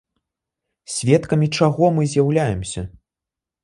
Сведкамі чаго мы з'яўляемся?